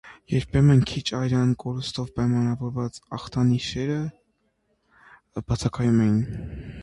Երբեմն քիչ արյան կորստով պայմանավորված ախտանիշերը բացակայում են։